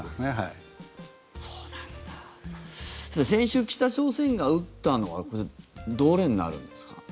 先週、北朝鮮が撃ったのはどれになるんですか？